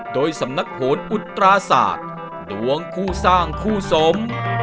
โดยสำนักโหนอุตราศาสตร์ดวงคู่สร้างคู่สม